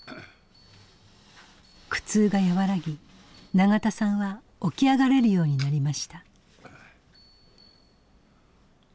苦痛が和らぎ永田さんは起き上がれるようになりました。